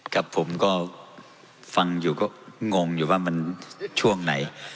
ครับผมก็ฟังอยู่ก็งงอยู่ว่ามันช่วงไหน